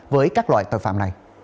với các loại tội phạm